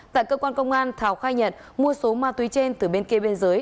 tại cơ quan công an thảo khai nhận mua số ma túy trên từ bên kia biên giới